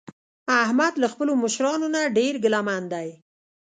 احمد له خپلو مشرانو نه ډېر ګله من دی.